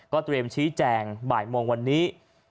เตรียมชี้แจงบ่ายโมงวันนี้